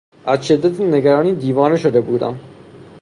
از شدت نگرانی دیوانه شده بودم.